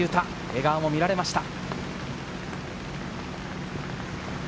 笑顔も見られました。